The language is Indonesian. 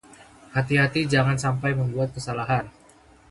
Hati-hati jangan sampai membuat kesalahan.